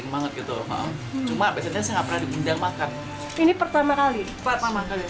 banget gitu cuma biasanya nggak pernah diundang makan ini pertama kali pertama kali